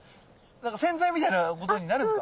洗剤みたいなことになるんですか？